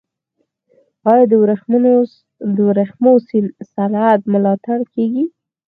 آیا د ورېښمو صنعت ملاتړ کیږي؟